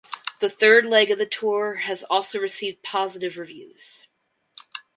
The third leg of the tour has also received positive reviews.